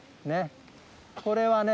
これはね